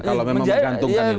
kalau memang menggantungkan ini